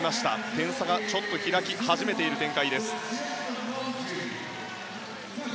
点差が開き始めている展開です。